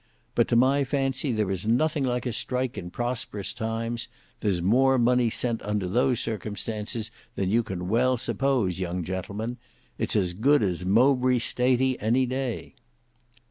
But to my fancy there is nothing like a strike in prosperous times; there's more money sent under those circumstances than you can well suppose, young gentlemen. It's as good as Mowbray Staty any day."